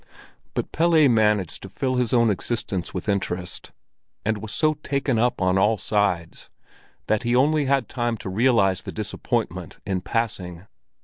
But Pelle managed to fill his own existence with interest, and was so taken up on all sides that he only just had time to realize the disappointment in passing.